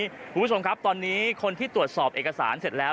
คุณผู้ชมครับตอนนี้คนที่ตรวจสอบเอกสารเสร็จแล้ว